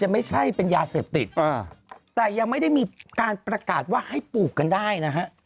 ไม่ได้มีการประกาศว่าให้ปลูกกันได้นะฮะ